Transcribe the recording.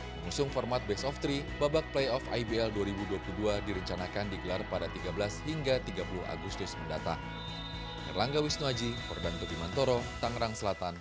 mengusung format base of three babak playoff ibl dua ribu dua puluh dua direncanakan digelar pada tiga belas hingga tiga puluh agustus mendatang